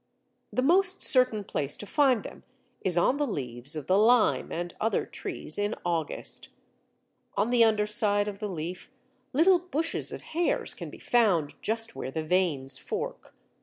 The most certain place to find them is on the leaves of the lime and other trees in August. On the under side of the leaf little bushes of hairs can be found just where the veins fork.